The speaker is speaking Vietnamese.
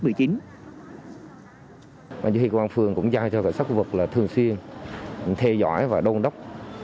vì vậy công an phường cũng dạy cho cảnh sát khu vực là thường xuyên thê dõi và đôn đốc